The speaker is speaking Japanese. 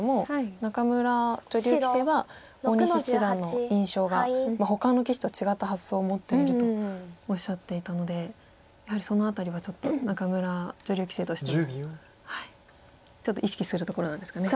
仲邑女流棋聖は大西七段の印象がほかの棋士とは違った発想を持っているとおっしゃっていたのでやはりその辺りはちょっと仲邑女流棋聖としてもちょっと意識してるところなんですかね。